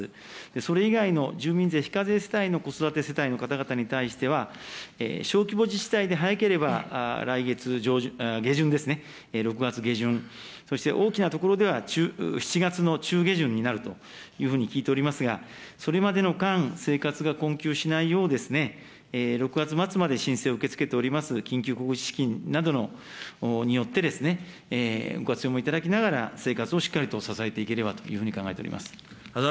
それ以外の住民税非課税世帯の子育て世帯の方々に対しては、小規模自治体で早ければ来月下旬ですね、６月下旬、そして大きな所では７月の中下旬になるというふうに聞いておりますが、それまでの間、生活が困窮しないよう、６月末まで申請を受け付けております、緊急小口資金などによって、ご活用もいただきながら、生活をしっかりと支えていければというふうに考えております。